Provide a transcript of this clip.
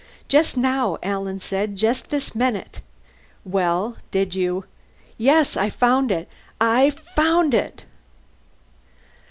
"Just now," Alan said. "Just this minute." "Well? Did you " "Yes! I found it! I found it!"